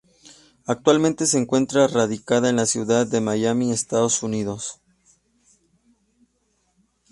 Actualmente se encuentra radicada en la ciudad de Miami, Estados unidos.